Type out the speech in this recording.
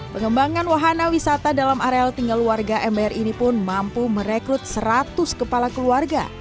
pengembangan wahana wisata dalam areal tinggal warga mbr ini pun mampu merekrut seratus kepala keluarga